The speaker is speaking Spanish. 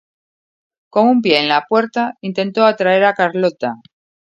Con un pie en la puerta intentó atraer a Carlota.